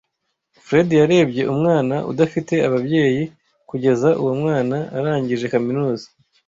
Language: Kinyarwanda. Fred yarebye umwana udafite ababyeyi kugeza uwo mwana arangije kaminuza.